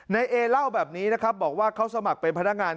นายเอเล่าแบบนี้นะครับบอกว่าเขาสมัครเป็นพนักงาน